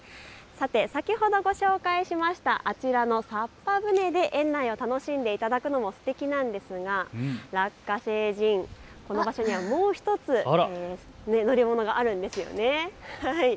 先ほどご紹介したあちらのさっぱ舟で園内を楽しんでいただくのもすてきですがラッカ星人、この場所にはもう１つ乗り物があるんですよね。